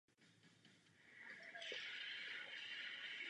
Ráno.